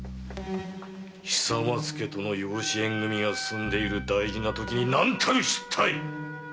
久松家との養子縁組が進んでいる大事なときに何たる失態！